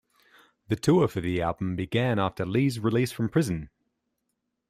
The tour for the album began after Lee's release from prison.